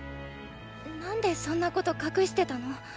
なんでそんなこと隠してたの？